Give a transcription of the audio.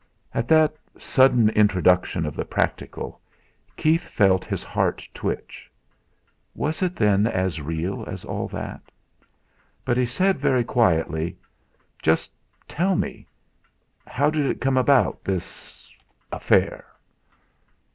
At that sudden introduction of the practical Keith felt his heart twitch. Was it then as real as all that? But he said, very quietly: "Just tell me How did it come about, this affair?"